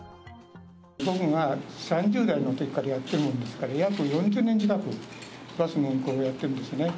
僕が３０代のときからやっているもんですから、約４０年近く、バスの運行をやってるんですね。